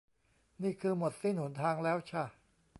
นี่คือหมดสิ้นหนทางแล้วช่ะ